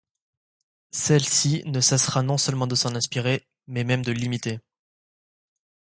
Celle-ci ne cessera non seulement de s'en inspirer, mais même de l'imiter.